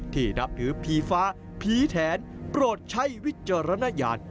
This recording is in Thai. นับถือผีฟ้าผีแถนโปรดใช้วิจารณญาณ